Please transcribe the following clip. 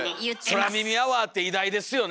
「空耳アワー」って偉大ですよね！